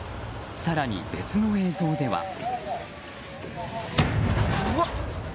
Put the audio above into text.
更に別の映像では。